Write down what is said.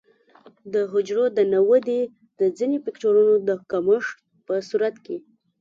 د حجرو د نه ودې د ځینو فکټورونو د کمښت په صورت کې.